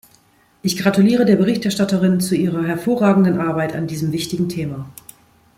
Ich gratuliere der Berichterstatterin zu ihrer hervorragenden Arbeit an diesem wichtigen Thema.